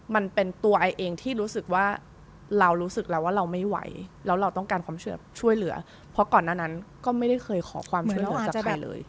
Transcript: มันเป็นตัวไอเองที่รู้สึกว่าเรารู้สึกแล้วว่าเราไม่ไหวแล้วเราต้องการความช่วยเหลือเพราะก่อนหน้านั้นก็ไม่ได้เคยขอความช่วยเหลือจากใครเลย